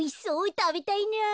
たべたいなあ。